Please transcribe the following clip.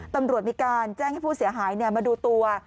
ตำรวจมีการแจ้งให้ผู้เสียหายมาดูตัว